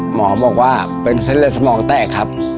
หมอบอกว่าเป็นเส้นเลือดสมองแตกครับ